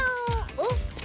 おっ！